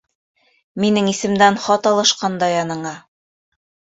Минең исемдән хат алышҡан Даяныңа.